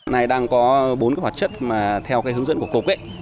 cục đang có bốn hoạt chất theo hướng dẫn của cục